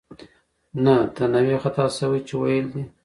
نه، ته نه وې خطا شوې چې ویل دې